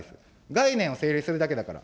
概念をせいれいするだけだから。